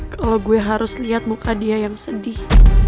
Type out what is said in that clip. kalo gue harus liat muka dia yang sedih